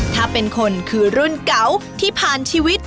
ถ้าเป็นคนคือรุ่นเก่าที่ผ่านชีวิต